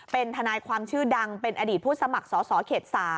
เป็นทนายความชื่อดังเป็นอดีตผู้สมัครสอสอเขต๓